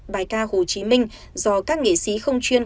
bài ca hồ chí minh do các nghệ sĩ không chuyên